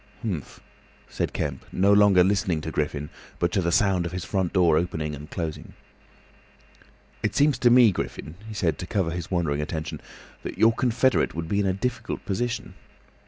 "Humph!" said Kemp, no longer listening to Griffin but to the sound of his front door opening and closing. "It seems to me, Griffin," he said, to cover his wandering attention, "that your confederate would be in a difficult position."